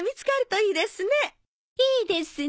いいですね。